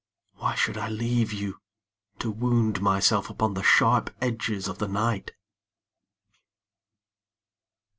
Why should I leave you, To wound myself upon the sharp edges of the night?